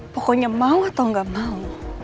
pokoknya mau atau nggak mau